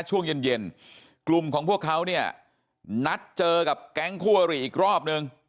ช่วงเย็นเย็นกลุ่มของพวกเขาเนี่ยนัดเจอกับแก๊งคู่อริอีกรอบนึง